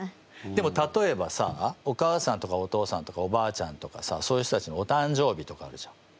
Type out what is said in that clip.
でも例えばさお母さんとかお父さんとかおばあちゃんとかさそういう人たちのお誕生日とかあるじゃん。